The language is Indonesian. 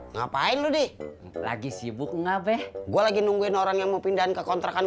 ngapain lu di lagi sibuk enggak beh gua lagi nungguin orang yang mau pindah ke kontrakan